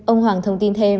ông hoàng thông tin thêm